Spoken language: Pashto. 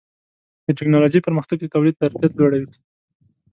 د ټکنالوجۍ پرمختګ د تولید ظرفیت لوړوي.